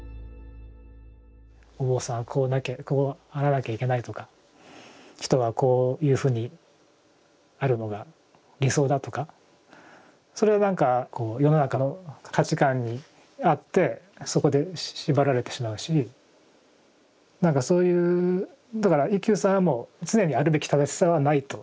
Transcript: お坊さんはこうあらなきゃいけないとか人はこういうふうにあるのが理想だとかそれなんかこう世の中の価値観にあってそこで縛られてしまうしなんかそういうだから一休さんはもう常にあるべき正しさはないと。